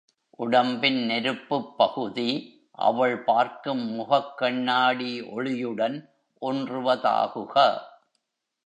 உடம்பின் நெருப்புப் பகுதி, அவள் பார்க்கும் முகக் கண்ணாடி ஒளி யுடன் ஒன்றுவ தாகுக!